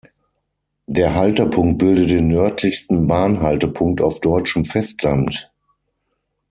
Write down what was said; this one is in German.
Der Haltepunkt bildet den nördlichsten Bahnhaltepunkt auf deutschem Festland.